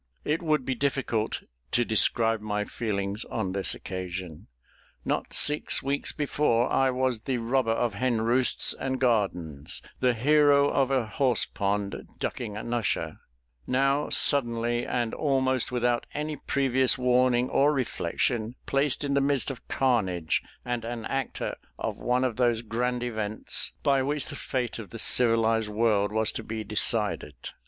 It would be difficult to describe my feelings on this occasion. Not six weeks before, I was the robber of hen roosts and gardens the hero of a horse pond, ducking an usher now suddenly, and almost without any previous warning or reflection, placed in the midst of carnage, and an actor of one of those grand events by which the fate of the civilised world was to be decided.